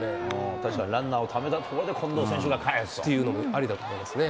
確かにランナーをためたところで、近藤選手がかえすっていうのも。